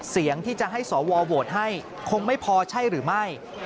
เสียงที่จะให้สวโหวตให้คงไม่พอใช่หรือไม่